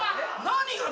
何？